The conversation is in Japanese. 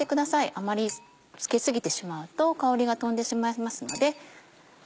あまり漬け過ぎてしまうと香りが飛んでしまいますので。